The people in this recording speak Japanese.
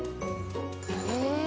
へえ。